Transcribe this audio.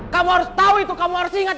kamu harus ingat itu kamu harus tau kan